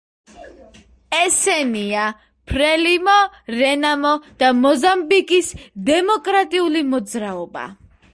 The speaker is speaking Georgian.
ესენია: ფრელიმო, რენამო და მოზამბიკის დემოკრატიული მოძრაობა.